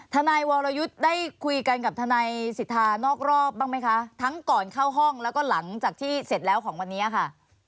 ทนายวรยุทธ์ได้คุยกันกับทนายสิทธานอกรอบบ้างไหมคะทั้งก่อนเข้าห้องแล้วก็หลังจากที่เสร็จแล้วของวันนี้ค่ะ